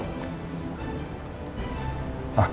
sekarang bosnya elsa